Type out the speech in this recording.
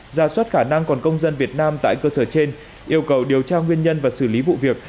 ra soát khả năng còn công dân việt nam tại cơ sở trên yêu cầu điều tra nguyên nhân và xử lý vụ việc